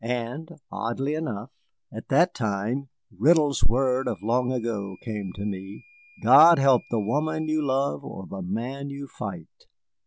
And oddly enough at that time Riddle's words of long ago came to me, "God help the woman you love or the man you fight."